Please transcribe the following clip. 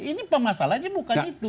ini pemasalannya bukan itu